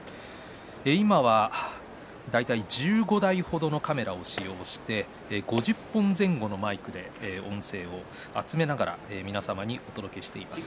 今は大体１５台程のカメラを使用して５０本前後のマイクで音声を集めながら皆様にお届けしています。